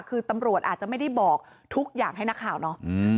คือตำรวจอาจจะไม่ได้บอกทุกอย่างให้นักข่าวเนาะ